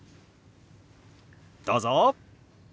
どうぞ！